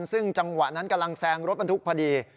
ซึ่งจังหวะนั้นกำลังแซงรถบรรทุกพอดี